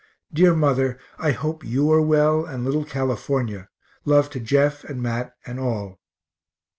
Dear mother, I hope you are well, and little California love to Jeff and Mat and all.